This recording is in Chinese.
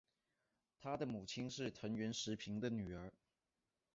他的母亲是藤原时平的女儿。